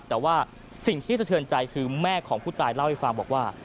แต่ว่าสิ่งที่สะเทือนใจคือแม่ของผู้ตายเล่าให้ฟังบอกว่า